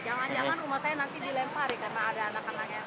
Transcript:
jangan jangan rumah saya nanti dilempari karena ada anak anak yang terinfeksi